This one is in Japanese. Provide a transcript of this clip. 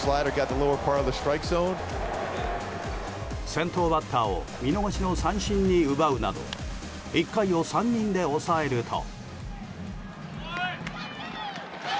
先頭バッターに見逃しの三振を奪うなど１回を３人で抑えると。